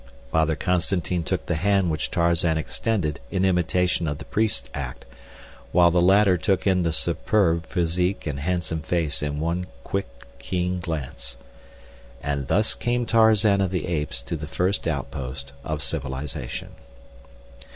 Father Constantine took the hand which Tarzan extended in imitation of the priest's act, while the latter took in the superb physique and handsome face in one quick, keen glance. And thus came Tarzan of the Apes to the first outpost of civilization.